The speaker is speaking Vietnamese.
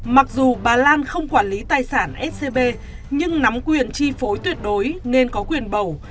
mặc dù bà lan không quản lý tài sản scb nhưng nắm quyền chi phối tuyệt đối nên có quyền bầu